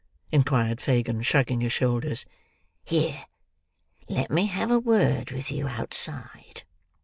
inquired Fagin, shrugging his shoulders. "Here! Let me have a word with you outside."